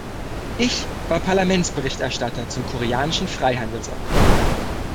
Ich war Parlamentsberichterstatter zum koreanischen Freihandelsabkommen.